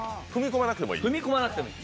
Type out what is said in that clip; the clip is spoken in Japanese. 踏み込まなくてもいい。